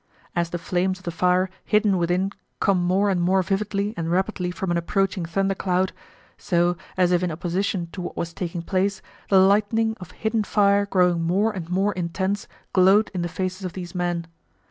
As the flames of the fire hidden within come more and more vividly and rapidly from an approaching thundercloud, so, as if in opposition to what was taking place, the lightning of hidden fire growing more and more intense glowed in the faces of these men.